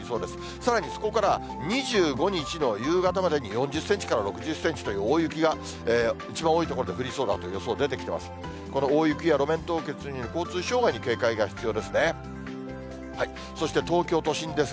さらにそこから２５日の夕方までに４０センチから６０センチという大雪が一番多い所で降りそうだという予想出てきてます。